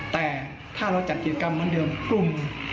แต่ถ้าเราจัดกิจกรรมเว้นเดิมปุ้ม